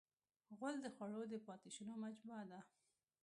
غول د خوړو د پاتې شونو مجموعه ده.